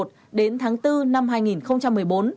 đến tháng bốn năm hai nghìn một mươi bốn